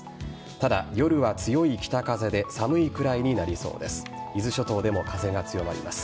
ただ、夜は強い北風で寒いくらいになりそうです。